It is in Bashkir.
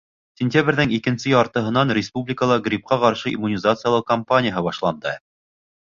Сентябрҙең икенсе яртыһынан республикала грипҡа ҡаршы иммунизациялау кампанияһы башланды.